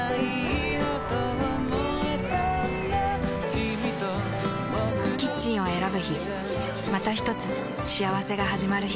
キミとボクの未来だキッチンを選ぶ日またひとつ幸せがはじまる日